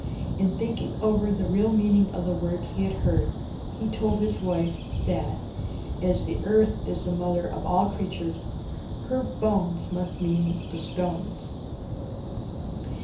In thinking over the real meaning of the words he had heard, he told his wife, that, as the Earth is the mother of all creatures, her bones must mean the stones.